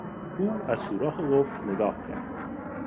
او از سوراخ قفل نگاه کرد.